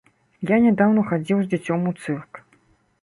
Я нядаўна хадзіў з дзіцём у цырк.